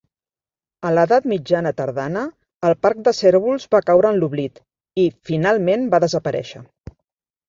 A l'edat mitjana tardana, el parc de cérvols va caure en l'oblit i, finalment, va desaparèixer.